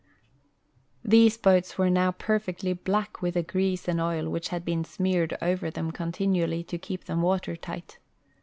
These boats Avere noAV perfectly black Avith the grease and oil which had been smeared over them continually to keep them Avater tight.